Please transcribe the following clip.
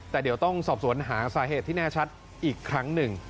แต่เดี๋ยวต้องสอบสวนหาสาเหตุที่แน่ชัดอีกครั้งหนึ่ง